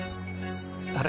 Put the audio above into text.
あれ？